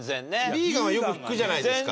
ビーガンはよく聞くじゃないですか。